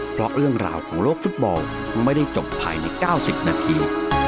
เพราะเรื่องราวของโลกฟุตบอลไม่ได้จบภายใน๙๐นาที